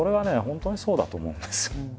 本当にそうだと思うんですよ。